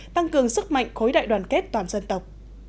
tăng cường sức mạnh khối đại đoàn kết toàn dân tộc